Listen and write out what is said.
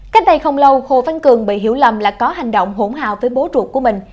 cách đây không lâu hồ văn cường bị hiểu lầm là có hành động hỗn hào với bố ruột của mình